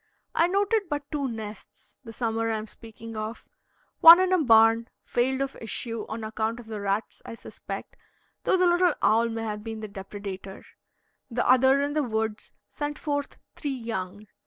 I noted but two nests, the summer I am speaking of: one, in a barn, failed of issue, on account of the rats, I suspect, though the little owl may have been the depredator; the other, in the woods, sent forth three young.